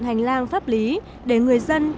hành lang pháp lý để người dân